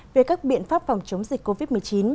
về các biện pháp phòng chống dịch covid một mươi chín